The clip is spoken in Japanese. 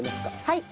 はい。